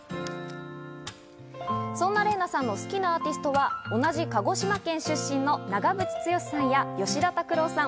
そんな麗奈さんの好きなアーティストは同じ鹿児島県出身の長渕剛さんや吉田拓郎さん。